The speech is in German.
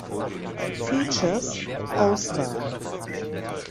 Features (Auswahl)